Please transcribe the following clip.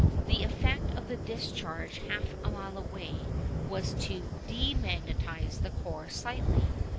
The effect of the discharge half a mile away was to _de_magnetise the core slightly.